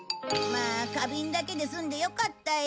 まあ花瓶だけで済んでよかったよ。